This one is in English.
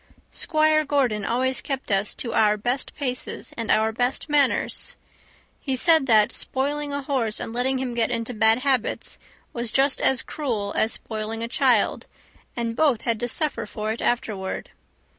Squire Gordon always kept us to our best paces and our best manners. He said that spoiling a horse and letting him get into bad habits was just as cruel as spoiling a child, and both had to suffer for it afterward.